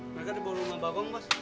mereka dibawa rumah bagong mas